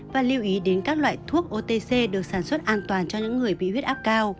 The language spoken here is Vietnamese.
và lưu ý đến các loại thuốc otc được sản xuất an toàn cho những người bị huyết áp cao